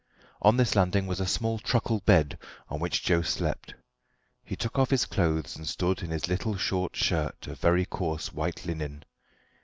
On this landing was a small truckle bed, on which Joe slept. He took off his clothes and stood in his little short shirt of very coarse white linen.